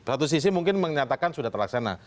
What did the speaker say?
satu sisi mungkin menyatakan sudah terlaksana